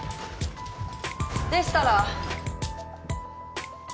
でしたら。